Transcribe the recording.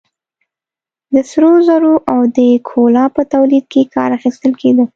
د سرو زرو او د کولا په تولید کې کار اخیستل کېده.